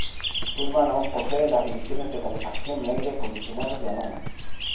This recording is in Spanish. Goodman aún posee las divisiones de calefacción y aire acondicionado de Amana.